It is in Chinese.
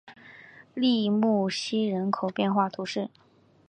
利穆西人口变化图示